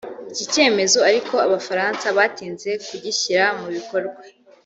Iki cyemezo ariko Abafaransa batinze kugishyira mu bikorwa